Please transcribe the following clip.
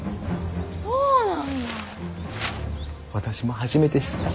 私も初めて知った。